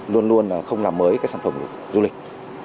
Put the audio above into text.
luôn luôn là không làm mới các sản phẩm rùi du lịch